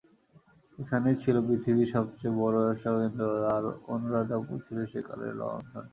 এখানেই ছিল প্রাচীন পৃথিবীর সবচেয়ে বড় ব্যবসাকেন্দ্র, আর অনুরাধাপুর ছিল সেকালের লণ্ডন।